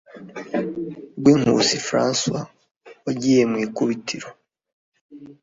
rwinkusi françois wagiye mu ikubitiro